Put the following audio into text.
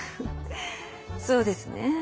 そうですね